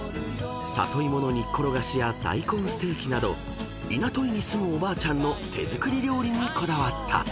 ［サトイモの煮っころがしや大根ステーキなど稲戸井に住むおばあちゃんの手作り料理にこだわった］